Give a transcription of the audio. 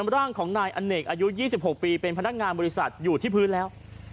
ร่างของนายอเนกอายุ๒๖ปีเป็นพนักงานบริษัทอยู่ที่พื้นแล้ว